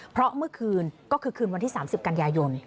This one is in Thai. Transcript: เพราะเมื่อคืนก็คือคืนวันที่๓๐กันยายน